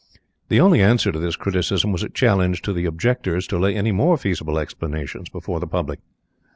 The only answer to this criticism was a challenge to the objectors to lay any more feasible explanations before the public.